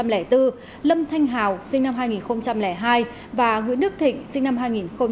lâm thanh hào sinh năm hai nghìn hai và nguyễn đức thịnh sinh năm hai nghìn